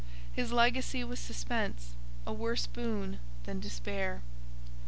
His legacy was suspense—a worse boon than despair.